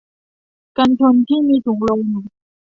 กันชนที่มีถุงลม